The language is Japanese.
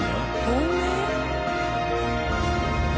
透明？